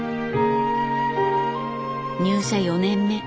入社４年目。